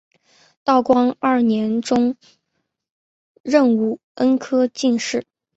道光二年中壬午恩科进士。